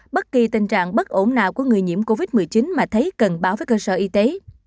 một mươi một bất kỳ tình trạng bất ổn nào của người nhiễm covid một mươi chín mà thấy cần báo với cơ sở y tế